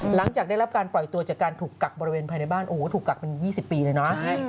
หลังจากได้รับการปล่อยตัวจากการถูกกักบริเวณภายในบ้านโอ้โหถูกกักเป็น๒๐ปีเลยนะ